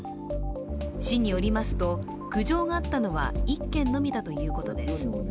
市によりますと、苦情があったのは１軒のみだということです。